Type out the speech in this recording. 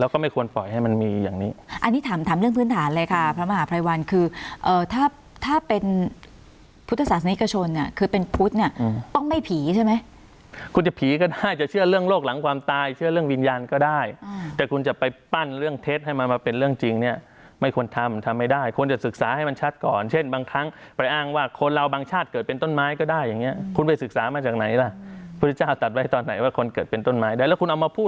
ควรปล่อยให้มันมีอย่างนี้อันนี้ถามถามเรื่องพื้นฐานเลยค่ะพระมหาภัยวัลคือเอ่อถ้าถ้าเป็นพุทธศาสนิกชนเนี้ยคือเป็นพุทธเนี้ยอืมต้องไม่ผีใช่ไหมคุณจะผีก็ได้จะเชื่อเรื่องโลกหลังความตายเชื่อเรื่องวิญญาณก็ได้อืมแต่คุณจะไปปั้นเรื่องเทศให้มันมาเป็นเรื่องจริงเนี้ยไม่ควรทำทำไม่ได้คว